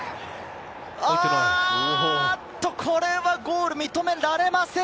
あぁっと、これはゴール、認められません。